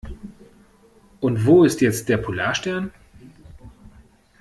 Und wo ist jetzt der Polarstern?